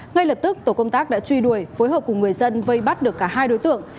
ngay lập tức tổ công tác đã truy đuổi phối hợp cùng người dân vây bắt được cả hai đối tượng